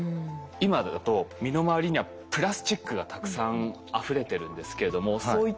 今だと身の回りにはプラスチックがたくさんあふれてるんですけれどもいや。